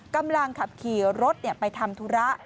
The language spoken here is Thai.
กำลังขับขี่รถไปทำธุระ